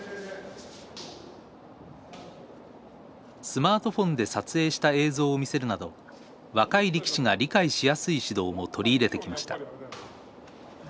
スマートフォンで撮影した映像を見せるなど若い力士が理解しやすい指導も取り入れてきました。